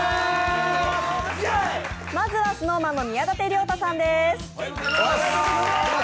まずはＳｎｏｗＭａｎの宮舘涼太さんです。